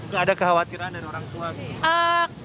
nggak ada kekhawatiran dari orang tua gitu